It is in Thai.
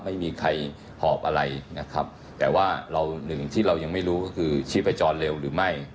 ไม่มีใครหอบอะไรนะครับแต่ว่าเราหนึ่งที่เรายังไม่รู้ก็คือชีพจรเร็วหรือไม่